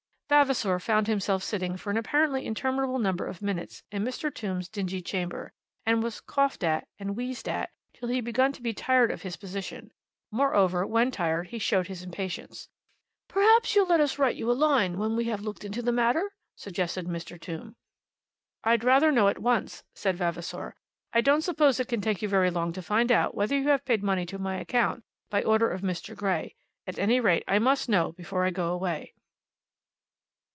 ugh ugh ugh!" Vavasor found himself sitting for an apparently interminable number of minutes in Mr. Tombe's dingy chamber, and was coughed at, and wheezed at, till he begun to be tired of his position; moreover, when tired, he showed his impatience. "Perhaps you'll let us write you a line when we have looked into the matter?" suggested Mr. Tombe. "I'd rather know at once," said Vavasor. "I don't suppose it can take you very long to find out whether you have paid money to my account, by order of Mr. Grey. At any rate, I must know before I go away."